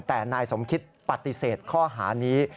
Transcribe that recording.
แต่นายสมคิดปฏิเสธข้อหานี้